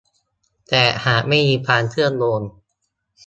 แต่หากไม่มีความเชื่อมโยง